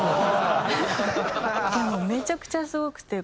めちゃくちゃスゴくて。